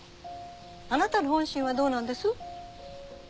あなたの本心はどうなんです？